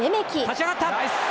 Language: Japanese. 立ち上がった。